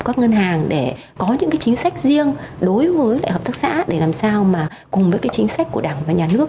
các ngân hàng để có những cái chính sách riêng đối với lại hợp tác xã để làm sao mà cùng với cái chính sách của đảng và nhà nước